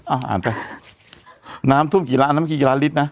อ่าอ่านไปน้ำทุ่มกี่ล้านน้ำคี่กี่ล้านลิตรนะ